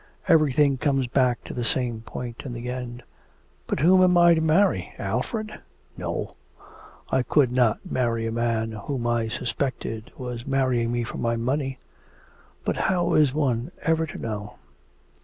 Everything comes back to the same point in the end. But whom am I to marry? Alfred? No, I could not marry a man whom I suspected was marrying me for my money. But how is one ever to know?